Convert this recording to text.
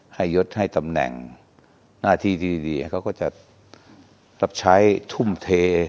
ยดให้ตำแหน่งหน้าที่ดีเขาก็จะรับใช้ทุ่มเท